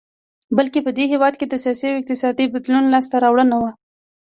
بلکې په دې هېواد کې د سیاسي او اقتصادي بدلون لاسته راوړنه وه.